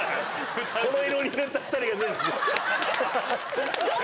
この色に塗った２人が出てきて。